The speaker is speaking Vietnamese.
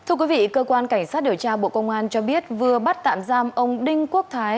thưa quý vị cơ quan cảnh sát điều tra bộ công an cho biết vừa bắt tạm giam ông đinh quốc thái